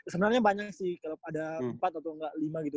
sebenarnya banyak sih kalau ada empat atau nggak lima gitu